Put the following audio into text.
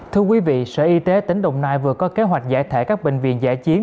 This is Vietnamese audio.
thưa quý vị sở y tế tỉnh đồng nai vừa có kế hoạch giải thể các bệnh viện giải chiến